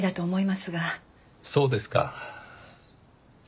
そうですか。